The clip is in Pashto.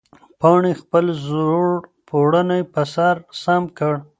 پاڼې خپل زوړ پړونی په سر سم کړ.